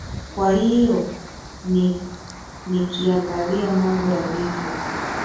kwa hiyo ni nikiangalia mambo yalivyo